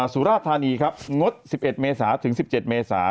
สุราธานีงด๑๑เมษาจนถึง๑๗เมษา